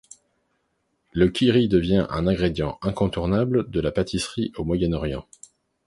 Le Kiri devient un ingrédient incontournable de la pâtisserie au Moyen Orient.